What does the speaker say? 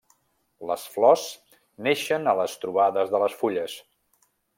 Les flors neixen a les trobades de les fulles.